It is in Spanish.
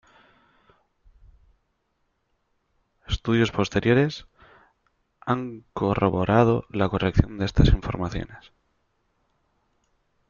Estudios posteriores han corroborado la corrección de estas informaciones.